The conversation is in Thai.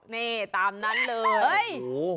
นี่ตามนั้นเลย